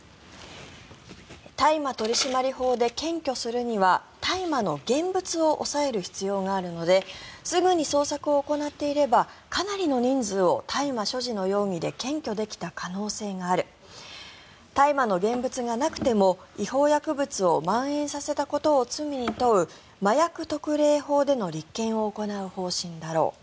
大麻取締法で検挙するには大麻の現物を押さえる必要があるのですぐに捜索を行っていればかなりの人数を大麻所持の容疑で検挙できた可能性がある大麻の現物がなくても違法薬物をまん延させたことを罪に問う麻薬特例法での立件を行う方針だろう